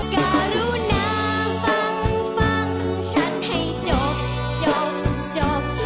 การุณาฟังฟังฉันให้จบจบ